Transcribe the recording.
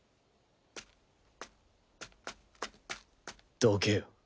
どけよ。